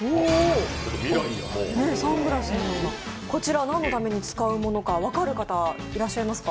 こちら何のために使うものか、分かる方いらっしゃいますか？